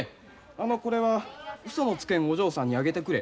あのこれは「うそのつけんお嬢さんにあげてくれ」